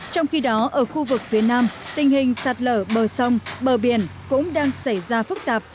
trong khi đó ở khu vực phía nam tình hình sạt lở bờ sông bờ biển cũng đang xảy ra phức tạp